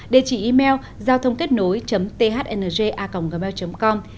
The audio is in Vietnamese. đề chỉ email giao thôngkếtnối thnja gmail com